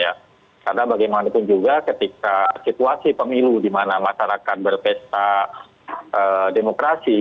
karena bagaimanapun juga ketika situasi pemilu di mana masyarakat berpesa demokrasi